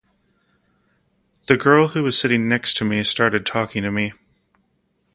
The girl who was sitting next to me started talking to me.